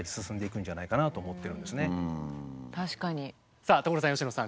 さあ所さん佳乃さん。